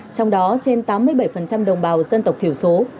trong đó trên tám mươi bảy đồng bào dân tộc thiểu số